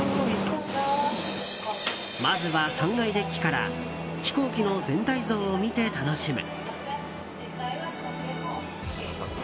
まずは３階デッキから飛行機の全体像を見て楽しむ。